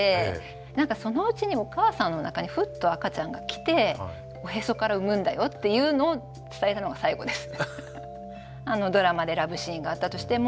なんかそのうちにお母さんのおなかにふっと赤ちゃんが来ておへそから生むんだよっていうのを伝えたのが最後です。